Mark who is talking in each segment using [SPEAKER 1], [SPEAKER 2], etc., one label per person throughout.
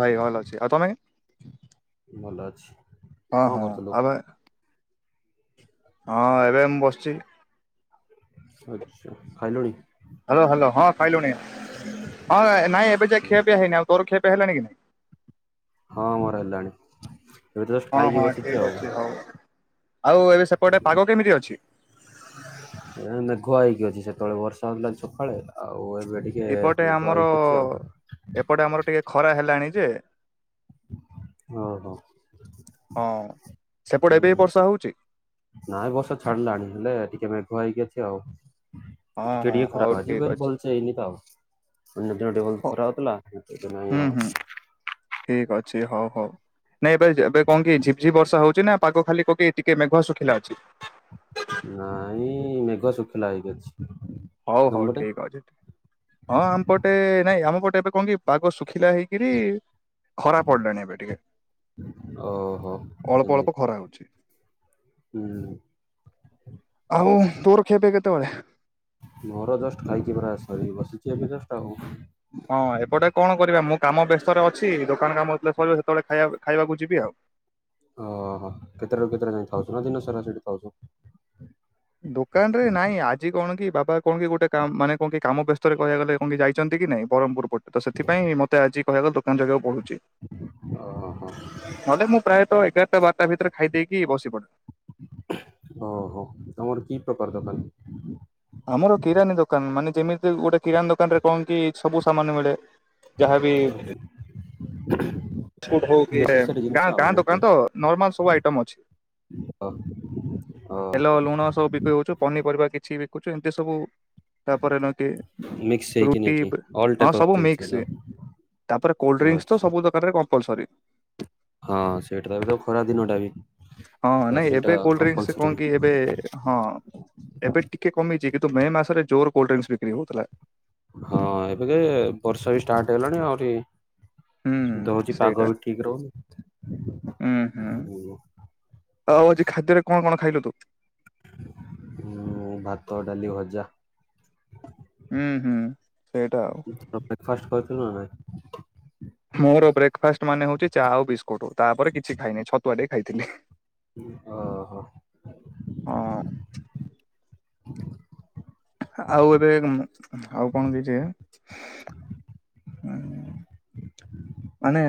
[SPEAKER 1] ଭାଇ ଭଲ ଅଛି। ଆଉ ତମେ?
[SPEAKER 2] ଭଲ ଅଛି।
[SPEAKER 1] ହଁ
[SPEAKER 2] କଣ
[SPEAKER 1] ହଁ
[SPEAKER 2] କରୁଥିଲୁ
[SPEAKER 1] ଆମେ ହଁ ଏବେ ମୁଁ ବସିଛି।
[SPEAKER 2] ଆଚ୍ଛା ଖାଇଲୁଣି?
[SPEAKER 1] ହ୍ୟାଲୋ ହ୍ୟାଲ ହଁ ଖାଇଲୁଣି ହଁ ନାଇଁ ଏବେ ଯାଏ ଖିଆ ପିଆ ହେଇନି ଆଉ ତୋର ଖିଆ ପିଆ ହେଲାଣି କି ନାଇଁ?
[SPEAKER 2] ହଁ ମୋର ହେଲାଣି ଏବେ ଯଷ୍ଟ
[SPEAKER 1] ହଁ
[SPEAKER 2] ଖାଇକି
[SPEAKER 1] ହଁ ଠିକ
[SPEAKER 2] ବସିଛି ଆଉ।
[SPEAKER 1] ଅଛି ହଉ। ଆଉ ଏବେ ସେପଟେ ପାଗ କେମିତି ଅଛି?
[SPEAKER 2] ଏ ମେଘୁଆ ହେଇକି ଅଛି ସେତେବେଳେ ବର୍ଷା ହେଥିଲା ସକାଳେ ଆଉ ଏବେ ଟି
[SPEAKER 1] ଏପଟେ ଆମର ଏପଟେ ଆମର ଟିକେ ଖରା ହେଲାଣି ଯେ
[SPEAKER 2] ଓହୋ
[SPEAKER 1] ହଁ ସେପଟେ
[SPEAKER 2] ହୁଁ
[SPEAKER 1] ଏବେ ବର୍ଷା ହେଉଛି?
[SPEAKER 2] ନାଇଁ ବର୍ଷା ଛାଡିଲାଣି ହେଲେ ଟିକେ ମେଘ ହେଇକି ଅଛି ଆଉ।
[SPEAKER 1] ହଁ ହଁ ହଉ ଠିକ ଅଛି
[SPEAKER 2] [inaudible]
[SPEAKER 1] ହୁଁ ହୁଁ
[SPEAKER 2] [inaudible]
[SPEAKER 1] ଠିକ ଅଛି ହଉ ହଉ ନାଇଁ ଏବେ ଏବେ କଣ କି ଝିପଝିପ ବର୍ଷା ହଉଛି ନା? ପାଗ ଖାଲି ପକେଇ ଟିକେ ମେଘୁଆ ଶୁଖିଲା ଅଛି।
[SPEAKER 2] ନାଇଁ ମେଘ ଶୁଖିଲା ହେଇକି ଅଛି।
[SPEAKER 1] ହଉ
[SPEAKER 2] ତମ
[SPEAKER 1] ହଉ
[SPEAKER 2] ପଟେ
[SPEAKER 1] ଠିକ୍ ଅଛିି। ହଁ ଆମପଟେ ନାଇଁ ଆମ ପଟେ ଏବେ କଣ କି ପାଗ ଶୁଖିଲା ହେଇକରି। ଖରା ପଡିଲାଣି ଏବେ ଟିକେ
[SPEAKER 2] ଓହୋ
[SPEAKER 1] ଅଳ୍ପ
[SPEAKER 2] ସେମିତି
[SPEAKER 1] ଅଳ୍ପ ଖରା ହଉଛି।
[SPEAKER 2] ହୁଁ।
[SPEAKER 1] ଆଉ ତୋର ଖିଆ ପିଆ କେତେ ବେଳେ?
[SPEAKER 2] ମୋର ଜଷ୍ଟ ଖାଇଛି ପରା ସରିକି ବସିଛି ଏବେ ଜଷ୍ଟ ଆଉ।
[SPEAKER 1] ହଁ ଏପଟେ କଣ କରିବା ମୁଁ କାମ ବ୍ୟସ୍ତରେ ଅଛି ଦୋକାନ କାମ ଯେତେବେଳେ ସରିବ ସେତେବେଳେ ଖାଇବା ଖାଇବାକୁ ଯିବି ଆଉ।
[SPEAKER 2] ଓହୋ କେତେଟାରୁୁ କେତୋଟା ଯାଇଁ ଥାଉଛୁ ନା ଦିନ ସାରା ସେଠି ଥାଉଛୁ?
[SPEAKER 1] ଦୋକାନରେ ନାଇଁ ଆଜି କଣ କି ବାବା କଣ କି ଗୋଟେ କ ମାନେ କଣ କି କାମ ବ୍ୟସ୍ତରେ କହିବାକୁ ଗଲେ ମମି ଯାଇଛନ୍ତି କି ନାଇ ବ୍ରହ୍ମପୁରପଟେ ତ ସେଥିପାଇଁ ମତେ ଆଜି କହିବାକୁ ଦୋକାନ ଜଗିବାକୁ ପଢୁଛି।
[SPEAKER 2] ଓହୋ ହ।
[SPEAKER 1] ନହେଲେ ମୁଁ ପ୍ରାୟତଃ ଏଗାରଟା ବାରଟା ଭିତରେ ଖାଇ ଦେଇକି ବସି ପଡେ।
[SPEAKER 2] ଓହୋ ତମର କି ପ୍ରକାର ଦୋକାନ?
[SPEAKER 1] ଆମର କିରାନୀ ଦୋକାନ ମାନେ ଯେମିତି ଗୋଟେ କିରାନୀ ଦୋକାନ ରେ କଣ କି ସବୁ ସାମାନ ମିଳେ। ଯାହାବି
[SPEAKER 2] [inaudible] ନେସେସାରୀ
[SPEAKER 1] [inaudible]
[SPEAKER 2] ଜିନିଷ
[SPEAKER 1] ଗାଁ
[SPEAKER 2] ଆଉ
[SPEAKER 1] ଗାଁ
[SPEAKER 2] ନାଇଁ
[SPEAKER 1] ଦୋକାନ ତ ନର୍ମାଲ ସବୁ ଆଇଟମ ଅଛି।
[SPEAKER 2] ହ ଓହୋ।
[SPEAKER 1] [inaudible] ସବୁ ବିକି ହଉଚୁ ପନିପରିବା କିଛି ବିକୁଛୁ ଏମିତି ସବୁ ତାପରେ ନ କି
[SPEAKER 2] ମିକ୍ସ ହେଇକି
[SPEAKER 1] ରୁଟି
[SPEAKER 2] ନେଇକି ଅଲ୍
[SPEAKER 1] ହଁ
[SPEAKER 2] ଟାଇପ୍ ଅଫ୍
[SPEAKER 1] ସବୁ
[SPEAKER 2] ଜିନିଷ ତ
[SPEAKER 1] ମିକ୍ସ। ତାପରେ କୋଲଡ୍ରିଙ୍କସ୍ ତ
[SPEAKER 2] ଆଚ୍ଛା
[SPEAKER 1] ସବୁ ଦୋକାନରେ କମ୍ପଲସରି।
[SPEAKER 2] ହଁ ସେଇଟା ତ ଏବେ ତ ଖରା ଦିନ ଟା ବି
[SPEAKER 1] ହଁ
[SPEAKER 2] ତ
[SPEAKER 1] ନାଇଁ ଏବେ
[SPEAKER 2] ସେଇଟା
[SPEAKER 1] କୋଲ୍ଡଡ୍ରିଙ୍କସ କଣ
[SPEAKER 2] କମ୍ପଲସରି।
[SPEAKER 1] କି ଏବେ ହଁ ଏବେ ଟିକେ କମିଛି କିନ୍ତୁ ମେ ମାସରେ ଜୋର କୋଲଡ୍ରିଙ୍କସ୍ ବିକ୍ରି ହଉଥିଲା।
[SPEAKER 2] ହଁ ଏବେ କି ବର୍ଷା ବି ଷ୍ଟାର୍ଟ ହେଲାଣି ଆହୁରି।
[SPEAKER 1] ହୁଁ
[SPEAKER 2] ଦଉଛି
[SPEAKER 1] ସେଇଟା।
[SPEAKER 2] ପାଗ ବି ଠିକ ରହୁନି।
[SPEAKER 1] ହୁଁ ହୁଁ ଆଉ ଆଜି ଖାଦ୍ୟରେ କଣ କଣ ଖାଇଲୁ ତୁ?
[SPEAKER 2] ମୁଁ ଭାତ ଡାଲି ଭଜା।
[SPEAKER 1] ହୁଁ ହୁଁ ସେଇଟା ଆଉ।
[SPEAKER 2] ବ୍ରେକ୍ଫଫାଷ୍ଟ କରିଥିଲୁ ନା ନାହିଁ?
[SPEAKER 1] ମୋର ବ୍ରେକ୍ଫାଫାଷ୍ଟ ମାନେ ହଉଛି ଚା ଆଉ ବିସ୍କୁଟ ତାପରେ କିଛି ଖାଇନି ଛତୁଆ ଟିକେ ଖାଇଥିଲି।
[SPEAKER 2] ଓହୋ।
[SPEAKER 1] ହଁ। ଆଉ ଏବେ ଆଉ କଣ ଦେଇଛି? ହୁଁ। ମାନେ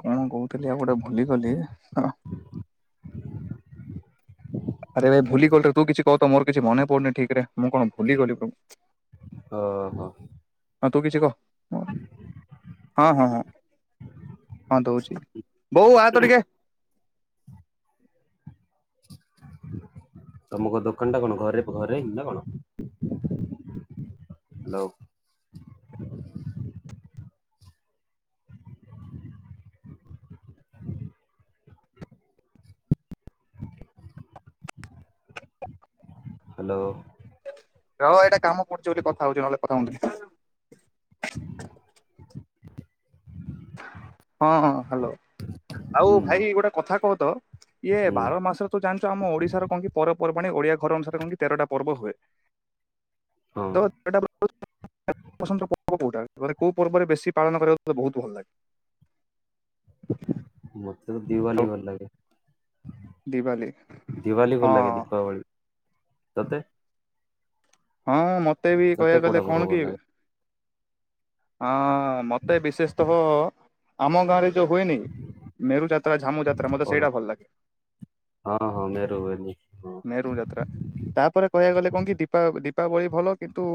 [SPEAKER 1] କଣ କହୁଥିଲି ଆଉ ଗୋଟେ ଭୁଲିଗଲି। ଆରେ ଭାଇ ଭୁଲି ଗଲିରେ ତୁ କିଛି କହ ତ ମୋର କିଛି ମନେ ପଡ଼ୁନି ଠିକ୍ ରେ ମୁଁ କଣ ଭୁଲି ଗଲି
[SPEAKER 2] ଓହୋ।
[SPEAKER 1] ତୁ କିଛି କହ ହଁ ହଁ ହଁ। ହଁ ଦଉଛି ବୋଉ ଆ ତ ଟିକେ।
[SPEAKER 2] ତମର ଦୋକାନ୍ ଟା କଣ ଘରେ ଘରେ ନା କଣ? Hello [inaudible] hello.
[SPEAKER 1] ରହ ଏଇଟା କାମ କରୁଛି ବୋଲି କଥା ହଉଛି ନହେଲେ କଥା ହଉନି ହଁ ହଁ ହ୍ୟାଲୋ ଆଉ
[SPEAKER 2] ହୁଁ
[SPEAKER 1] ଭାଇ ଗୋଟେ କଥା କହ ତ ଇଏ
[SPEAKER 2] ହୁଁ
[SPEAKER 1] ବାର ମାସ ତୁ ଜାଣିଛୁ ଆମ ଓଡ଼ିଶାର କଣ କି ପର୍ବପର୍ବାଣି ଓଡ଼ିଆ ଘର ଅନୁଶାରେ କଣ କି ତେରଟା ପର୍ବ ହୁଏ।
[SPEAKER 2] ହଁ
[SPEAKER 1] ତ [inaudible] ପର୍ବ କୋଉଟାାନେ କୋଉ ପର୍ବରେ ବେଶୀ ପାନକୁ ବହୁତ ଭଲ ଲାଗେ [inaudible] [unintelligible]
[SPEAKER 2] ମତେ
[SPEAKER 1] ହଉ
[SPEAKER 2] ଦିୱାଲୀ ଭଲ ଲାଗେ।
[SPEAKER 1] ଦିିବାଲି
[SPEAKER 2] ଦିୱାଲୀ ଭଲ ଲାଗେ
[SPEAKER 1] ହଁ
[SPEAKER 2] ଦୀପାବଳି ତତେ?
[SPEAKER 1] ହଁ ମତେ ବି
[SPEAKER 2] ତତେ
[SPEAKER 1] କହିବାକୁ ଗଲେ
[SPEAKER 2] କୋଉଟା ପର୍ବ
[SPEAKER 1] କଣ
[SPEAKER 2] ଭଲ
[SPEAKER 1] କି
[SPEAKER 2] ଲାଗେ
[SPEAKER 1] ହଁ ମତେ ବିଶେଷ ତହ ଆମ ଗାଁରେ ଯ ହୁଏନି ମେରୁ ଯାତ୍ରା ଝାମୁ ଯାତ୍ରା ମତେ
[SPEAKER 2] କଣ
[SPEAKER 1] ସେଇଟା ଭଲ ଲାଗେ।
[SPEAKER 2] ହଁ ହଁ ମେରୁ ବୋଲି
[SPEAKER 1] ମେରୁ ଯାତ୍ରା ତାପରେ କହିବାକୁ ଗଲେ କଣ କି ଦୀପା ଦୀପାବଳି ଭଲ କିନ୍ତୁ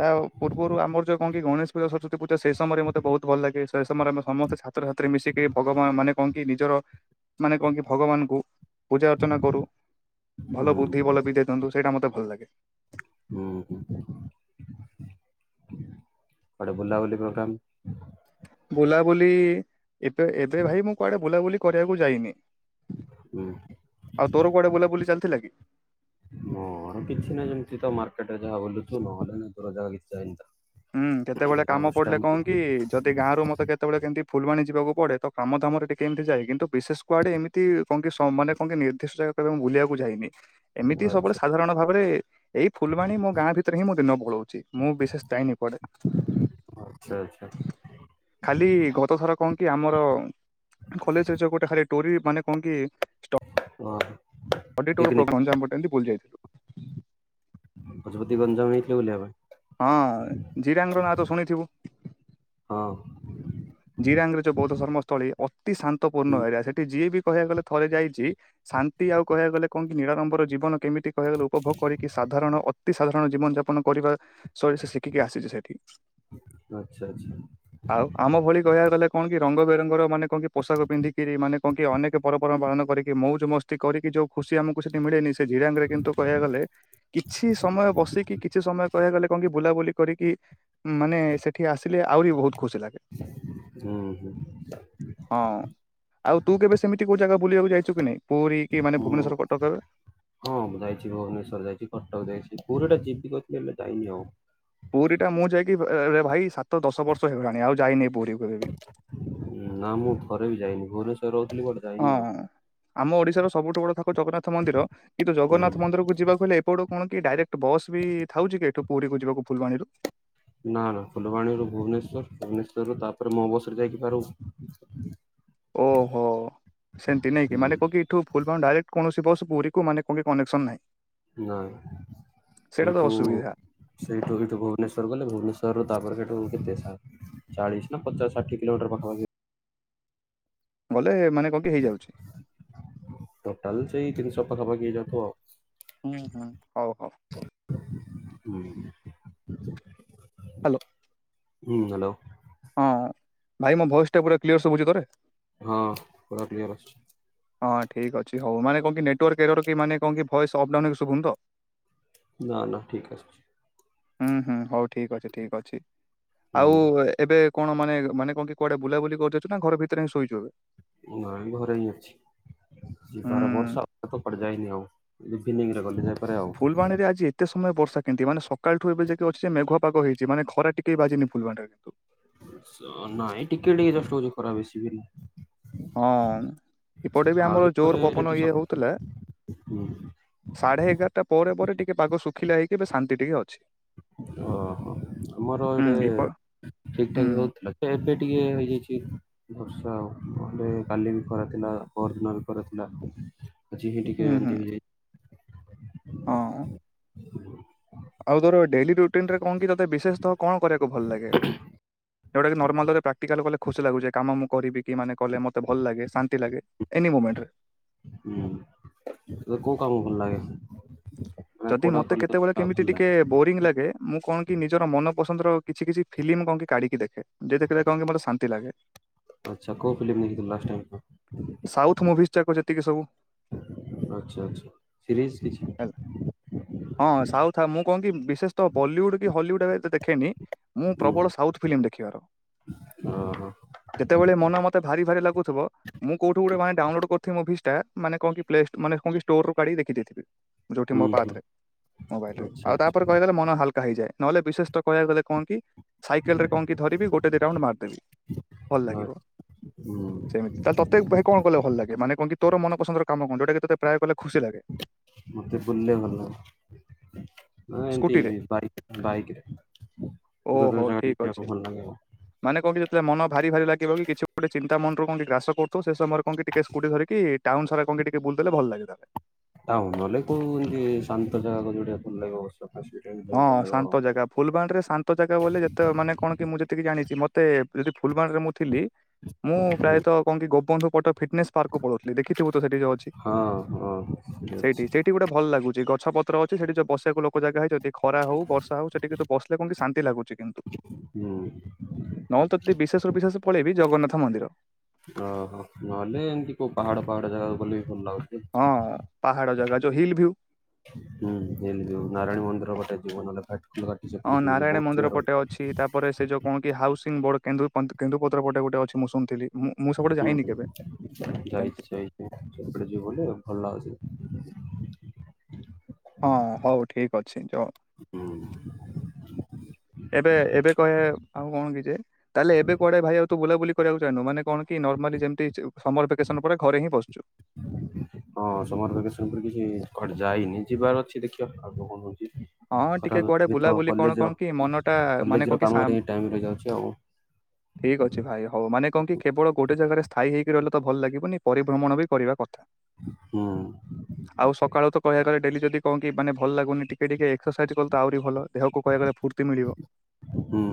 [SPEAKER 1] ତା ପୂର୍ବରୁ ଆମର ଯୋଉ କଣ କି ଗଣେଶ ପୂଜା ସରସ୍ୱତୀ ପୂଜା ସେଇ ସମୟରେ ମତେ ବହୁତ ଭଲ ଲାଗେ ସେ ସମୟରେ ଆମେ ସମସ୍ତେ ଛା ଛାତ୍ରଛାତ୍ରୀ ମିଶିକି ଭଗବାନ ମାନେ କଣ କି ନିଜର ମାନେ କଣ କି ଭଗବାନଙ୍କୁ ପୂଜା ଅର୍ଚ୍ଚନା କରୁ
[SPEAKER 2] ହୁଁ
[SPEAKER 1] ଭଲ ବୁଦ୍ଧି ଭଲ ବିଦ୍ୟା ଦିଅନ୍ତୁ ସେଇଟା ମତେ ଭଲ ଲାଗେ।
[SPEAKER 2] ହୁଁ ହୁଁ କୁଆଡ଼େ ବୁଲାବୁଲି ପ୍ରୋଗ୍ରାମ୍
[SPEAKER 1] ବୁଲାବୁଲି ଏବେ ଏବେ ଭାଇ ମୁଁ କୁଆଡ଼େ ବୁଲାବୁଲି କରିବାକୁ ଯାଇନି।
[SPEAKER 2] ହୁଁ
[SPEAKER 1] ଆଉ ତୋର କୁଆଡ଼େ ବୁଲାବୁଲି ଚାଲିଥିଲା କି?
[SPEAKER 2] ମୋର କିଛି ନାହି ଏମିତିତ ମାର୍କଟରେ ଜାହା ବଲୁଥିବି ନହଲେ ନିଜର ଜାହା କିଛି
[SPEAKER 1] ହୁଁ କେତେବେଳେ କାମ
[SPEAKER 2] ଲାଷ୍ଟ
[SPEAKER 1] ପଡ଼ିଲେ
[SPEAKER 2] ଟାଇମ୍
[SPEAKER 1] କଣ କି ଯଦି ଗାଁରୁ ମଟେ କେତେ କେତେବେଳେ କେମିତି ଫୁଲବାଣୀ ଯିବାକୁ ପଡ଼େ ତ କାମ ଧାମରେ ଟିକେ ଏମିତି ଯଏ କିନ୍ତୁ ବିଶେଷ କୁଆଡ଼େ ଏମିତି କଣ କି ମାନେ କଣ ନିର୍ଦ୍ଦିଷ୍ଟ ଜାଗାକୁ ମୁଁ ବୁଲିବାକୁ ଯାଇନି। ଏମିତି ସବୁବେଳେ
[SPEAKER 2] ଆଚ୍ଛା
[SPEAKER 1] ସାଧାରଣ ଭାବରେ ଏଇ ଫୁଲବାଣୀ ମୋ ଗାଁ ଭିତରେ ହିଁ ମୁଁ ଦିନ ପଳଉଛି ମୁଁ ବିଶେଷ ଯାଇନି ପେ
[SPEAKER 2] ଆଚ୍ଛା ଆଚ୍ଛା
[SPEAKER 1] [inaudible] ଖାଲି ଗତଥର କଣ କି ଆମର କଲେଜରେ ଯୋଉ ଗୋଟେ ଖାଲି ଟୋରି ମାନେ କଣକି
[SPEAKER 2] ହ [inaudible]
[SPEAKER 1] ଅଡ଼ି ଟୋର ପ୍ରୋଗ୍ରମ୍ ଜା ପଟମିୁଲଲିାଇଥିଲୁ [inaudible]
[SPEAKER 2] ଗଜପତି ଗଞ୍ଜାମ ଯାଇଥିଲ ବୁଲିବା ପାଇଁ?
[SPEAKER 1] ହଁ ଜିରାଙ୍ଗ ର ନାଁ ତ ଶୁଣିଥିବୁ।
[SPEAKER 2] ହଁ
[SPEAKER 1] ଜିରାଙ୍ଗରେ ଯୋଉ ବୌଦ୍ଧ ଧର୍ମ ସ୍ଥଳୀ ଅତି ଶାନ୍ତପୂର୍ଣ୍ଣ
[SPEAKER 2] ହୁଁ
[SPEAKER 1] ଏରିଆ ସେଠି ଯିଏ ବି କହିବା ଗଲେ ଥରେ ଯାଇଛି ଶାନ୍ତି ଆଉ କହିବା ଗଲେ କଣ କି ନିଳ ନମ୍ବର ଜୀବନ କେମିତି କହିବା ଗଲେ ଉପଭୋଗ କରିକି ସାଧାରଣ ଅତି ସାଧାରଣ ଜୀବନଯାପନ କରିବା ସବୁ ସେଇଠି ଶିଖିକି ଆସିଛି ସେଠି।
[SPEAKER 2] ଆଚ୍ଛା ଆଚ୍ଛା
[SPEAKER 1] ଆଉ ଆମ ଭଳି କହିବାକୁ ଗଲେ କଣ କି ରଙ୍ଗ ବେରଙ୍ଗର ମାନେ କଣ କି ପୋଷାକ ପିନ୍ଧିକିରି ମାନେ କଣକି ଅନେକ ପର୍ବପର୍ବାଣି ପାଳନ କରିକି ମୌଜ ମସ୍ତି କରିକି ଯୋଉ ଖୁସି ଆମକୁ ସେଠି ମିଳେନି ଜିରାଙ୍ଗରେ କିନ୍ତୁ କହିବା ଗଲେ କିଛି ସମୟ ବସିକି କିଛି ସମୟ କହିବାକୁ ଗଲେ କଣ ବୁଲାବୁଲି କରିକି ମାନେ ସେଠି ଆସିଲେ ଆହୁରି ବହୁତ ଖୁସି ଲାଗେ।
[SPEAKER 2] ହୁଁ ହୁଁ।
[SPEAKER 1] ହଁ ଆଉ ତୁ କେବେ ସେମିତି କୋଉ ଜାଗା ବୁଲିବାକୁ ଯାଇଛୁ କି ନାଇଁ ପୁରୀ କି ମାନେ
[SPEAKER 2] ମୁଁ
[SPEAKER 1] ଭୁବନେଶ୍ଵର କଟକରେ
[SPEAKER 2] ହଁ ଯାଇଛି ଭୁବନେଶ୍ୱର ଯାଇଛି କଟକ ଯାଇଛି ପୁରୀଟା ଯିବିି ହେଲେ ଯାଇନି ଆଉ।
[SPEAKER 1] ପୁରୀ ଟା ମୁଁ ଯାଇକିରେ ଭାଇ ସାତ ଦଶ ବର୍ଷ ହେଇଗଲାଣି ଆଉ ଯାଇନି ପୁରୀ କ କେବେ
[SPEAKER 2] ନା ମୁଁ ଥରେ ବି ଯାଇନି ଭୁବନେଶରରେ ରହୁଥିଲି ବଟ ଯାଇନି
[SPEAKER 1] ହଁ
[SPEAKER 2] ଆଉ
[SPEAKER 1] ଆମ ଓଡିଶାର ସବୁଠୁ ବଡ ଥାକ ଜଗନ୍ନାଥ ମନ୍ଦିର କିନ୍ତୁ
[SPEAKER 2] ହୁଁ।
[SPEAKER 1] ଜଗନ୍ନାଥ ମନ୍ଦିରକୁ ଯିବାକୁ ହେଲେ ସେପଟ କଣ କି ଡାଇରେକ୍ଟ ବସ୍ ବି ଥାଉଛି କି ଏଠୁ ପୁରୀ କକୁ ଯିବାକୁ ଫୁଲବାଣୀରୁ
[SPEAKER 2] ନା ନା ଫୁଲବାଣୀରୁୁ ଭୁବନେଶ୍ୱର ଭୁବନେଶ୍ଵର ରୁ ତାପରେ ମୋ ବସ ରେ ଯାଇକି ଫେରୁ
[SPEAKER 1] ଓହୋ ସେମିତି ନାଇକି ମାନେ କଣ କି ଠୁ ଫୁଲବାଣୀ ଡାଇକ୍ଟ କୌଣସି ବସ ପୁରୀକୁ ମାନେ କୌଣସି କନେସନ୍ ନାହିଁ।
[SPEAKER 2] ନାଇଁ
[SPEAKER 1] ସେଇଟା ତ
[SPEAKER 2] ଏଇଟୁ
[SPEAKER 1] ଅସୁବିଧା
[SPEAKER 2] ସେଇ ଡୋରୀ ଭୁବନେଶ୍ୱର ଗଲେ ଭୁବନେଶ୍ୱରରୁ ତାପରେ ସେ କେତେ ସା ଚାଳିଶ ନା ପଚାଶ କିଲୋମିଟର ପାଖାପାଖି
[SPEAKER 1] ଗଲେ ମାନେ କଣ କି ହେଇଯାଉଛି।
[SPEAKER 2] ଟୋଟାଲ୍ ସେଇ ତିନିଶହ ପାଖାପାଖି ହେଇ ଯାଉଥିବ ଆଉ।
[SPEAKER 1] ହୁଁ ହୁଁ ହଉ ହଉ।
[SPEAKER 2] ହୁଁ। [unintelligible]
[SPEAKER 1] ହାଲୋ।
[SPEAKER 2] ହୁଁ ହାଲୋ।
[SPEAKER 1] ହଁ ଭାଇ ମୋ ଭଏସ୍ ଟା ପୁରା କ୍ଲିୟର ସବୁଛି ତତେ?
[SPEAKER 2] ହଁ ପୁରା କ୍ଲିୟର ଅଛି।
[SPEAKER 1] ହଁ ଠିକ୍ ଅଛି ହଉ ମାନେ କଣ କି ନେଟୱାର୍କ ଏରର୍ କି ମାନ କଣ ଭଏସ୍ ଅପ୍ ଡ଼ାଉନ୍ ଶୁଭୁନି ତ।
[SPEAKER 2] ନାଁ ନାଁ ଠିକ୍ ଅଛି।
[SPEAKER 1] ହୁଁ ହୁଁ ହଉ ଠିକ୍ ଅଛି ଠିକ୍ ଅଛି। ଆଉ
[SPEAKER 2] ହୁଁ
[SPEAKER 1] ଏବେ କଣ ମାନେ ମାନେ କଣ କି କୁଆଡେ ବୁଲାବୁଲି କରି ଯାଉଛ ନାଁ ଘର ଭିତରେ ହିଁ ଶୋଇଛୁ ଏବେ?
[SPEAKER 2] ନାଇଁ ଘରେ ହିଁ ଅଛି ଯିବାର
[SPEAKER 1] ହୁଁ।
[SPEAKER 2] ବର୍ଷା ତ ପରେ ଯାଇନି ଆଉ। ଇଭିନିଂ ରେ ଗଲି ଯାହା।
[SPEAKER 1] ଫୁଲବାଣୀରେ ଆଜି ଏତେ ସମୟ ବର୍ଷା କେମତି ମାନେ ସକାଳଠୁ ଏବେ ଯାଇକି ଅଛି ଯେ ମେଘୁଆ ପାଗ ହେଇଛି ମାନେ ଖରା ଟିକେ ବାଜିନି ଫୁଲବାଣୀରେ।
[SPEAKER 2] ନାଇଁ ଟିକେ, ଟିକେ ଯଷ୍ଟ୍ ହଉଛି ଖରା ବେଶୀ ବି ନାହିଁ।
[SPEAKER 1] ହଁ ଏପଟେ ବି
[SPEAKER 2] ଆଉ
[SPEAKER 1] ଆମର
[SPEAKER 2] ଟିକେ
[SPEAKER 1] ଜୋର୍
[SPEAKER 2] ପରେ ଯଦି
[SPEAKER 1] ପବନ
[SPEAKER 2] ସ
[SPEAKER 1] ଇଏ ହଉଥିଲା
[SPEAKER 2] ହୁଁ
[SPEAKER 1] ସାଢ଼େ ଏଗାରଟା ପରେ, ପରେ ଟିକେ ପାଗ ଶୁଖିଲା ହେଇକି ଏ ଶାନ୍ତି ଟିକେ ଅଛି।
[SPEAKER 2] ଓହୋ ଆମର
[SPEAKER 1] ହୁଁ ଇପ
[SPEAKER 2] ଏଇଟା ଠିକ୍ ଠାକ୍
[SPEAKER 1] ହୁଁ।
[SPEAKER 2] ହଉଥିଲା ଏବେ ଟିକେ ହେଇ ଯାଇଛି। ବର୍ଷା ଆଉ କାଲି ବି ଖରାଥିଲା ପରଦିନ ବି ଖରାଥିଲା। ଅଛି ଟିକେ
[SPEAKER 1] ହୁଁ ହୁଁ
[SPEAKER 2] ଏମିନ୍ତି ହେଇଯାଇଛି।
[SPEAKER 1] ହଁ। ଆଉ ତୋର ଡେଲି ରୁଟିନ୍ ରେ କଣ କି ତୋତେ ବିଶେଷତଃ କଣ କରିବାକୁ ଭଲ ଲାଗେ? ଯୋଉଟା କି ନର୍ମାଲରେ ତତେ ପ୍ରାକ୍ଟିକାଲ୍ କଲେ ଖୁସି ଲାଗୁଛି ଏ କାମ ମୁଁ କରିବି। କି ମାନେ କଲେ ମତେ ଭଲ ଲାଗେ ଶାନ୍ତି ଲାଗେ ଏନି ମୋମେଣ୍ଟ ରେ
[SPEAKER 2] ହୁଁ। ତତେ କୋଉ କାମ ଭଲ ଲାଗେ? ମାନେ
[SPEAKER 1] ଯଦି
[SPEAKER 2] କୋଉଟା
[SPEAKER 1] ମତେ
[SPEAKER 2] କଲେ
[SPEAKER 1] କେତେବେଳେ କେମିତି
[SPEAKER 2] ଭଲ
[SPEAKER 1] ଟିକେ
[SPEAKER 2] ଲାଗେ
[SPEAKER 1] ବୋରିଂ ଲାଗେ ମୁଁ କଣ କି ନିଜର ମନ ପସନ୍ଦର କିଛି, କିଛି ଫିଲ୍ମ୍ କଣ କି କାଢ଼ିକି ଦେଖେ। ଯେତେ ଥିଲେ କଣ କି ମତେ ଶାନ୍ତି ଲାଗେ।
[SPEAKER 2] ଆଚ୍ଛା କୋଉ ଫିଲ୍ମ୍ ଦେଖିଥିଲ ଲାଷ୍ଟ ଟାଇମ୍ କଣ?
[SPEAKER 1] ସାଉଥ୍ ମୁଭି ଯାକୁ ଯେତିକି ସବୁ।
[SPEAKER 2] ଆଚ୍ଛା ଆଚ୍ଛା ସିରିଜ୍ କିଛି?
[SPEAKER 1] ହେଲା ହଁ ସାଉଥ ଆ ମୁଁ କଣ କି ବିଶେଷ ତ ବଲିଉଡ୍ କି ହଲିଉଡ୍ ଆ ଏତେ ଦେଖ ଖେନି ମୁଁ
[SPEAKER 2] ହୁଁ
[SPEAKER 1] ପ୍ରବଳ ସାଉଥ୍ ଫିଲିମ୍ ଦେଖିବାର।
[SPEAKER 2] ଓହୋ
[SPEAKER 1] ଯେତେବେଳେ ମନେ ମତେ ଭାରି ଭାରି ଲାଗୁଥୁବ ମୁଁ କୋଉଠୁ ଗୋଟେ ମାନେ ଡାଉନଲୋଡ୍ କରିଥିବି ମୁଭିସଟା ମାନେ କଣ କି ପ୍ଲେ ଷ୍ଟୋ ମାନେ କଣ କି ଷ୍ଟୋରରୁ କାଢିକି ଦେଖିେଦେଇଥିବି। ଯୋଉଠି
[SPEAKER 2] ହୁଁ
[SPEAKER 1] ମୋ ପା ଥାଏ
[SPEAKER 2] ହୁଁ
[SPEAKER 1] ମୋବାଇଲରେ
[SPEAKER 2] ଆଚ୍ଛା
[SPEAKER 1] ଆଉ ତା ପରେ
[SPEAKER 2] ଆଚ୍ଛା
[SPEAKER 1] କହିଦେଲେ ମନ ହାଲ୍ କା ହେଇଯାଏ ନହେଲେ ବିଶେଷ ତ କହିବାକୁ ଗଲେ କଣ କି ସାଇକେଲରେ କଣ କିି ଧରିବି ଗୋଟେ ଦି ରାଉଣ୍ଡ ମାରିଦେବି ଭଲ
[SPEAKER 2] ଆ-
[SPEAKER 1] ଲାଗିବ
[SPEAKER 2] ହୁଁ
[SPEAKER 1] ସେମିତି। ତାହାଲେ ତତେ କଣ କଲେ ଭଲ ଲାଗେ ମାନେ କଣ କି ତୋର ମନ ପସନ୍ଦର କାମ କଣ ଯୋଉଟା କି ତତେ ପ୍ରାୟେ କଲେ ଖୁସି ଲା
[SPEAKER 2] ମତେ ବୁଲିବାକୁ ଭଲ ଲାଗେ। ମାନେ ଏମତି
[SPEAKER 1] ସ୍କୁଟିରେ
[SPEAKER 2] ବାଇକ୍ ବାଇକିରେ ଦୂର
[SPEAKER 1] ଓହୋ
[SPEAKER 2] ଜାଗା ବି
[SPEAKER 1] ଠିକ ଅଛି।
[SPEAKER 2] ଯିବାକୁ ଭଲ ଲାଗିବ।
[SPEAKER 1] ମାନେ କଣ କି ଯେତୋଳେ ମନ ଭାରି ଭାରି ଲାଗିବ କି କିଛି ଗୋଟେ ଚିନ୍ତା ମନରୁ କଣ କି ଗ୍ରାସ କରୁଥୁବ ସେ ସମୟରେ କଣ କି ଟିକେ ସ୍କୁଟି ଧରିକି ଟାଉନ ସାରା କଣ ଟିକେ ବୁଲଦେଲେ ଭଲଲାଗେ ତାଲେ।
[SPEAKER 2] ଟାଉନ୍ ନହେଲେ କୋଉ ଏମତି ଶାନ୍ତ ଜାଗା କହିଲୁ ଗୋଟେ ଭଲ ଲାଗିବ ବସ
[SPEAKER 1] ହଁ ଶାନ୍ତ ଜାଗା ଫୁଲବାଣୀରେ ଶାନ୍ତ ଜାଗା ବୋଲେ ଯେତେ ମାନେ କଣ କି ମୁଁ ଯେତିକି ଜାଣିଚି ମତେ ଯଦି ଫୁଲବାଣୀରେ ମୁଁ ଥିଲି ମୁଁ
[SPEAKER 2] ହୁଁ
[SPEAKER 1] ପ୍ରାୟତ କଣ କି ଗୋପ ବନ୍ଧୁ ପଟ ଫିଟନେସ୍ ପାର୍କକୁ ପଳୋଉଥିଲି ଦେଖଥିବୁ ତ ସେଠି ଯୋଉ ଅଛି।
[SPEAKER 2] ହଁ ହଁ ସେଠି ଅଛି।
[SPEAKER 1] ଠି ଗୋଟେ ଭଲ ଲାଗୁଚି ଗଛପତ୍ର ଅଛି ସେଠି ଯୋଉ ବସିବାକୁ ଲୋକ ଜାଗା ହେଇଚନ୍ତି ଖରା ହୋଉ ବର୍ଷା ହୋଉ ସେଠି କିନ୍ତୁ ବସିଲେ କଣ କି ଶାନ୍ତି ଲାଗୁଚି କିନ୍ତୁ।
[SPEAKER 2] ହୁଁ
[SPEAKER 1] ନହେଲେ ତ ଦି ବିଶେଷରୁୁ ବିଶେଷ ପଳେଇବି ଜଗନ୍ନାଥ ମନ୍ଦିର।
[SPEAKER 2] ଓହୋ ନହେଲେ ଏମତି କୋଉ ପାହାଡ ପାହାଡ ଜାଗାକୁ ଗଲେ ବି ଭଲ ଲାଗୁଚି।
[SPEAKER 1] ହଁ ପାହାଡ ଜାଗା ଯୋଉ ହିଲଭ୍ୟୁ।
[SPEAKER 2] ହୁଁ ହିଲ୍ ଯୋଉ ନାରାୟଣ ମନ୍ଦିର ପଟେ ଯିବ ନହଲେ ଘାଟ ଘା
[SPEAKER 1] ହଁ ନାରାୟଣ ମନ୍ଦିର ପଟେ ଅଛି ତାପରେ ସେ ଯୋଉ କଣ କି ହାଉସିଂ ବଡ କେନ୍ଦୁ ପନ୍ତ କେନ୍ଦୁପତ୍ର ପଟେ ଗୋଟେ ଅଛି ମୁଁ ଶୁଣିଥିଲି। ମୁଁ ମୁଁ ସେପଟେ ଯାଇନି
[SPEAKER 2] ହୁଁଉ
[SPEAKER 1] କେବେ
[SPEAKER 2] ଯଇଚି ଯାଇ
[SPEAKER 1] ସେମିତି
[SPEAKER 2] ସେ ଯିବ ବୋଲି ଭଲ ଅଛି।
[SPEAKER 1] ହଁ ହୋଉ ଠିକ ଅଛି ଯଅ।
[SPEAKER 2] ହୁଁ।
[SPEAKER 1] ଏବେ ଏବେ କହେ ଆଉ କଣ କି ଯେ ଯେ ତାହେଲେ ଏବେ କୁଆଡେ ଭାଇ ଆଉ ତୁ ବୁଲାବୁଲି କରିବାକୁ ଯାଇନୁ ମାନେ କଣ କି ନର୍ମାଲି ଯେମତି ସେ ସମର ଭ୍ୟାକେସନ ପରେ ଘରେ ହିଁ ବସଚୁ।
[SPEAKER 2] ହଁ ସମର ଭ୍ୟାକେସନ ପରେ କିଛି କୁଆଡେ ଯାଇନି ଯିବାର ଅଛି ଦେଖିଆ ଆଗକୁ କଣ ହୋଉଚି।
[SPEAKER 1] ହଁ
[SPEAKER 2] ଖରା
[SPEAKER 1] ଟିକେ କୁଆଡେ
[SPEAKER 2] ଅଧିକ
[SPEAKER 1] ବୁଲାବୁଲି କଣ
[SPEAKER 2] କଲେଜ
[SPEAKER 1] କଣ କି ମନ ଟା ମାନେ କଣ
[SPEAKER 2] କଲେଜର
[SPEAKER 1] କି
[SPEAKER 2] କାମରେ ହିଁ ଟାଇମରା ଯାଉଛି ଆଉ।
[SPEAKER 1] ଠିକଅଛି ଭାଇ ହୋଉ ମାନେ କଣ କି କେବଳ ଗୋଟେ ଜାଗାରେ ସ୍ଥାୟୀ ହେଇକି ରହିଲେ ତ ଭଲ ଲାଗିବନି ପରିଭ୍ରମଣ ବି କରିବା କଥା।
[SPEAKER 2] ହଁ।
[SPEAKER 1] ଆଉ ସକାଳୁ ତ କହିବାକୁ ଗଲେ ଡେଲି ଯଦି କଣ କି ମାନେ ଭଲ ଲାଗୁନି ଟିକେ ଟିକେ ଏସରସାଇଜ କଲେ ତ ଆହୁରି ଭଲ। ଦେହକୁ କହିବାକୁ ଗଲେ ଫୁର୍ତ୍ତି ମିଳିବ।
[SPEAKER 2] ହୁଁ।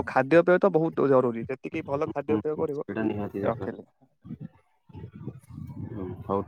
[SPEAKER 1] ଆଉ ଖାଦ୍ୟପେୟ ତ ବୋହୁତ ଜରୁରୀ ଯେତିକି ଭଲ ଖାଦ୍ୟପେୟ କରିବ ରଖିଲେ
[SPEAKER 2] ହୋଉ ଟାଇ